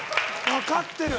分かってる。